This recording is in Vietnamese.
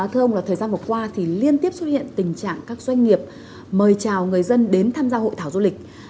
thưa ông là thời gian vừa qua thì liên tiếp xuất hiện tình trạng các doanh nghiệp mời chào người dân đến tham gia hội thảo du lịch